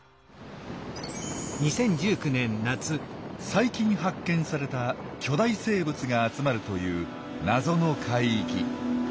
最近発見された巨大生物が集まるという「謎の海域」。